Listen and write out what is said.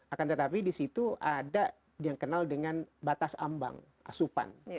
akan tetapi di situ ada yang kenal dengan batas ambang asupan